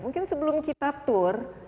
mungkin sebelum kita tur